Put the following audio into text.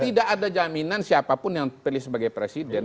tidak ada jaminan siapapun yang pilih sebagai presiden